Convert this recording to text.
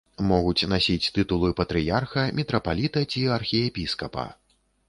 Могуць насіць тытулы патрыярха, мітрапаліта ці архіепіскапа.